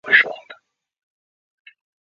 自身为歌手的出道作品。